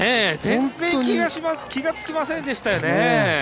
全然気がつきませんでしたよね。